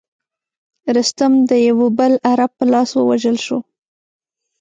رستم د یوه بل عرب په لاس ووژل شو.